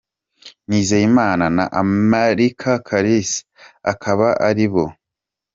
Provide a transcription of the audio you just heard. Nizeyimana na America Kalisa akaba ari bo.